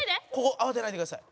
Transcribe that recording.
「慌てないでください」